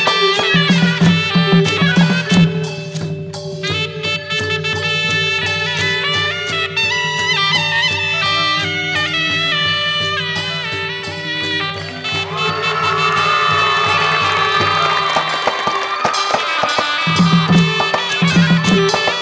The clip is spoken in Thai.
วู้วู้วู้